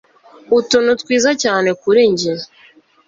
utuntu twiza cyane kuri njye